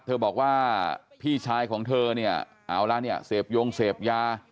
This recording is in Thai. บอกว่าพี่ชายของเธอเนี่ยเอาละเนี่ยเสพยงเสพยา